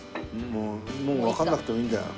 もうわかんなくてもいいんだよ。